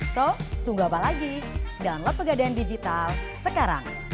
so tunggu apa lagi download pegadaian digital sekarang